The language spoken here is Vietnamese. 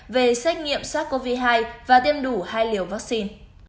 về xét nghiệm sars cov hai và tiêm đủ hai liều vaccine